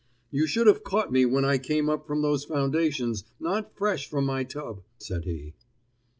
"You should have caught me when I came up from those foundations, not fresh from my tub!" said he.